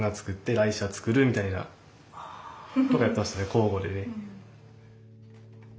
交互でね。